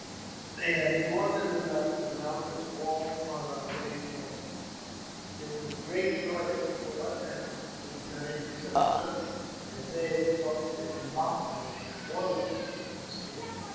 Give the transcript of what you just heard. ^| They had more than enough to mount us all on our way home. There was great joy at the fort at our return in such numbers, as they had supposed it impossible for one of us to escape.